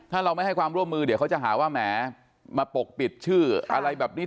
ถ้าเราไม่ให้ความร่วมมือเดี๋ยวเขาจะหาว่าแหมมาปกปิดชื่ออะไรแบบนี้